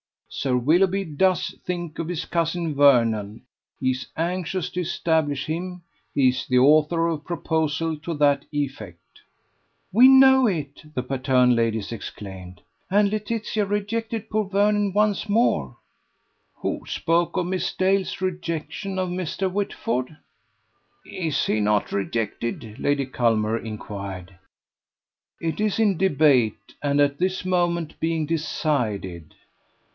Sir Willoughby does think of his cousin Vernon; he is anxious to establish him; he is the author of a proposal to that effect." "We know it!" the Patterne ladies exclaimed. "And Laetitia rejected poor Vernon once more!" "Who spoke of Miss Dale's rejection of Mr. Whitford?" "Is he not rejected?" Lady Culmer inquired. "It is in debate, and at this moment being decided."